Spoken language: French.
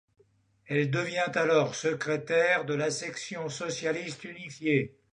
Elle devient alors secrétaire de la section socialiste unifiée.